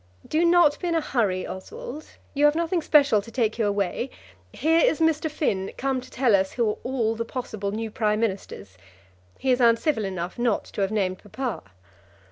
"Do not be in a hurry, Oswald. You have nothing special to take you away. Here is Mr. Finn come to tell us who are all the possible new Prime Ministers. He is uncivil enough not to have named papa."